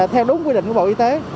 theo đúng quy định của bộ y tế